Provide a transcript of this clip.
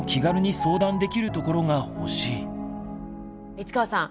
市川さん